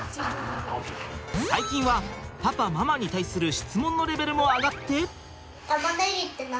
最近はパパママに対する質問のレベルも上がって。